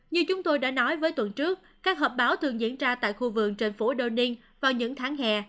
như chúng tôi đã nói với tuần trước các họp báo thường diễn ra tại khu vườn trên phố doning vào những tháng hè